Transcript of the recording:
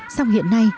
song hiện nay